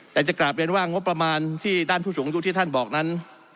แต่จะกลับเรียนว่างบประมาณที่ด้านผู้สูงอายุที่ท่านบอกนั้น